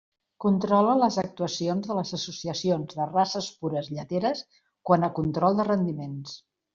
Controla les actuacions de les associacions de races pures lleteres quant a control de rendiments.